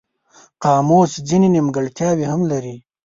قاموس ځینې نیمګړتیاوې هم لري.